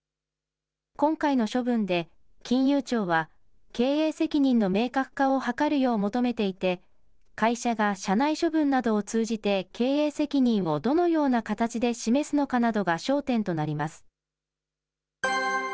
今回の処分で、金融庁は経営責任の明確化を図るよう求めていて、会社が社内処分などを通じて、経営責任をどのような形で示のかなどが焦点となります。